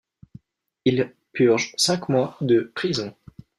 Il purge cinq mois de prison.